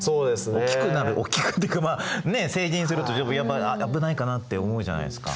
大きくなる大きくなるというかまあ成人するとやっぱ危ないかなって思うじゃないですか。